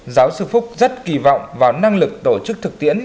giáo sư phúc rất kỳ vọng vào năng lực tổ chức thực tiễn